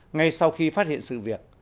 ngay sau khi phát hiện sự việc